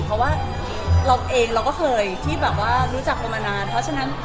เพราะว่าเราก็เคยที่รู้จักคนมานาน